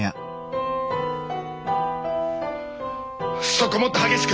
そこもっと激しく。